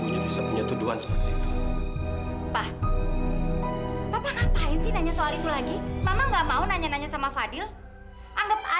livia udah meninggal seminggu yang lalu